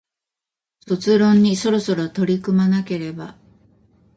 卒論にそろそろ取り組まなければ